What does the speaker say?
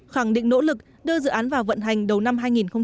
khẳng định nỗ lực đưa dự án vào vận hành đầu năm hai nghìn hai mươi